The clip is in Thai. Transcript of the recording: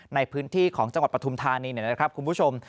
ในพื้นที่ของจังหวัดปฐุมธานีนะครับคุณผู้ชม